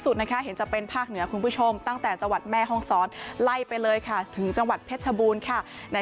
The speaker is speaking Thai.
เห็นจะเป็นภาคเหนือคุณผู้ชมตั้งแต่จังหวัดแม่ห้องซ้อนไล่ไปเลยค่ะถึงจังหวัดเพชรบูรณ์ค่ะใน